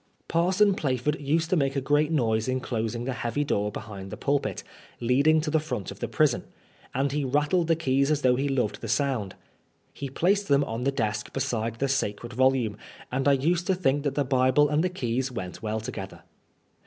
Parson Plaf ord used to make a great, noise in closing the heavy door behind the pulpit, leading to the front of the prison ; and he rattled the keys as though he loved the the sound. He placed them on the desk beside the *^ sacred volome,'' and I used to think that the Bible and the keys went well together.